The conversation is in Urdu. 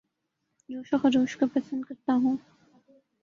جوش و خروش کو پسند کرتا ہوں